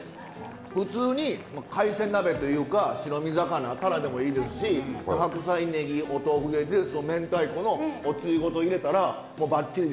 普通に海鮮鍋というか白身魚タラでもいいですし白菜ネギお豆腐入れて明太子のおつゆごと入れたらもうばっちりですから。